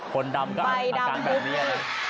คนดำไเข้มันกันแดงแบบนี้นี่